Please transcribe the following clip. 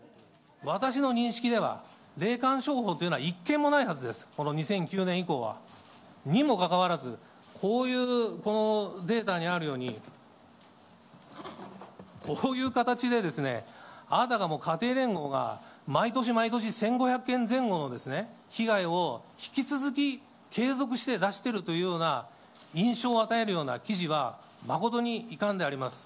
私の認識では、霊感商法というのは一件もないはずです、この２００９年以降は。にもかかわらず、こういう、このデータにあるように、こういう形でですね、あたかも家庭連合が、毎年毎年、１５００件前後の被害を引き続き継続して出しているというような印象を与えるような記事は、誠に遺憾であります。